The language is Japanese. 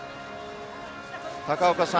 高岡さん